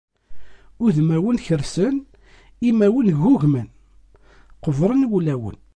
Udmawen kersen, imawen ggugmen, qebren wulawen.